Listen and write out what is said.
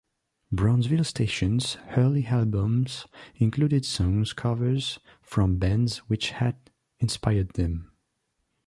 Brownsville Station's early albums included song covers from bands which had inspired them.